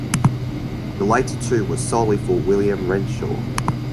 The later two were solely for William Renshaw.